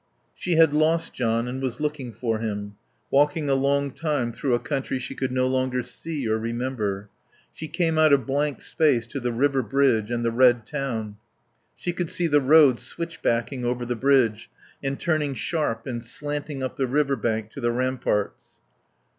She had lost John and was looking for him; walking a long time through a country she could no longer see or remember. She came out of blank space to the river bridge and the red town. She could see the road switchbacking over the bridge and turning sharp and slanting up the river bank to the ramparts.